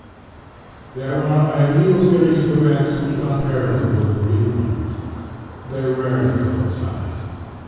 There are ideal series of events which run parallel with the real ones. They rarely coincide.